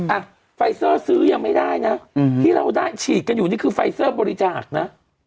อ่ะไฟเซอร์ซื้อยังไม่ได้นะที่เราได้ฉีดกันอยู่นี่คือไฟเซอร์บริจาคนะ